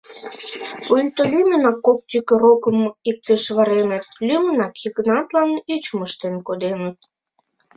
Пуйто лӱмынак кок тӱкӧ рокым иктыш вареныт, лӱмынак Йыгнатлан ӱчым ыштен коденыт.